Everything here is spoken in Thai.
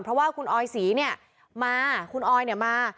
เพราะว่าคุณออยศรีเนี่ยมาคุณออยเนี่ยมา